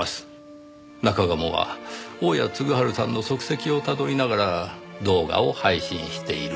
中鴨は大屋嗣治さんの足跡をたどりながら動画を配信している。